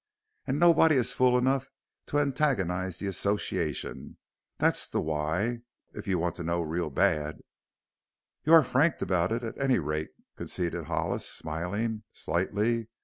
And nobody is fool enough to antagonize the Association. That's the why, if you want to know real bad." "You are frank about it at any rate," conceded Hollis smiling slightly.